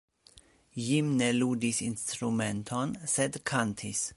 Jim ne ludis instrumenton, sed kantis.